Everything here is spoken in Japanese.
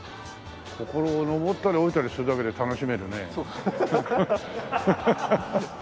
ここを上ったり下りたりするだけで楽しめるね。